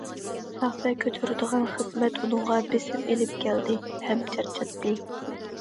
تەخسە كۆتۈرىدىغان خىزمەت ئۇنىڭغا بېسىم ئېلىپ كەلدى ھەم چارچاتتى.